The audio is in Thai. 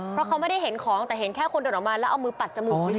เพราะเขาไม่ได้เห็นของแต่เห็นแค่คนเดินออกมาแล้วเอามือปัดจมูก